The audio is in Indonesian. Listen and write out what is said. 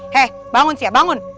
hei bangun siap bangun